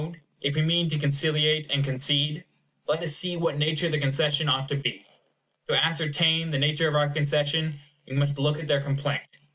If we adopt this mode, if we mean to conciliate and concede, let us see of what nature the concession ought to be. To ascertain the nature of our concession, we must look at their complaint.